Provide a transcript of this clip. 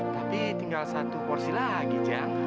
tapi tinggal satu porsi lagi jang